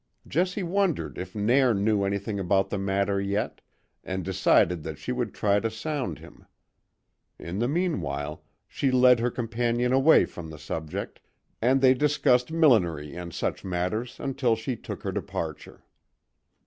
Jessie wondered if Nairn knew anything about the matter yet, and decided that she would try to sound him. In the meanwhile, she led her companion away from the subject, and they discussed millinery and such matters until she took her departure.